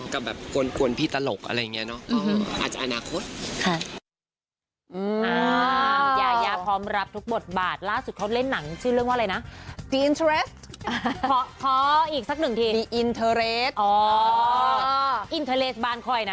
กับแบบกวนพี่ตลกอะไรอย่างเงี้ยเนาะ